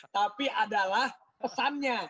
tapi adalah pesannya